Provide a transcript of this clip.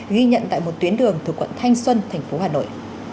ghi nhận tại một tuyến đường thuộc quận thanh xuân thành phố hà nội